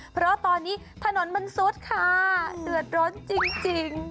เพราะตอนนี้ถนนมันซุดค่ะเดือดร้อนจริง